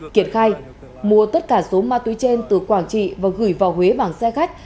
kiệt khai mua tất cả số ma túy trên từ quảng trị và gửi vào huế bằng xe khách